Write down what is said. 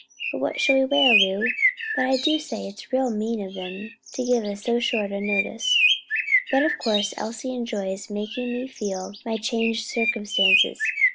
But what shall we wear, Lu? I do say it's real mean in them to give us so short a notice. But of course Elsie enjoys making me feel my changed circumstances.